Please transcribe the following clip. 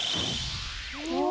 お！